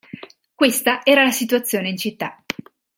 Questa era la situazione in città.